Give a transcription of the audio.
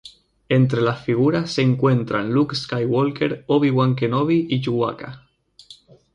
Entre las figuras se encuentran Luke Skywalker, Obi-Wan Kenobi y Chewbacca.